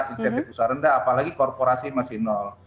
insentif usaha rendah apalagi korporasi masih nol